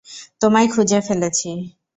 তোমায় খুঁজে ফেলেছি।